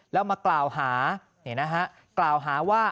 แล้วมากล่าวหากล่าวหาว่า